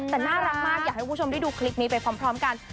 แต่น่ารักมากอยากให้คุณผู้ชมได้ดูคลิปนี้ไปพร้อมกัน